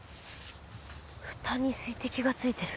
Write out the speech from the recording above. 蓋に水滴がついてる。